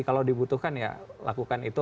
kalau dibutuhkan ya lakukan itu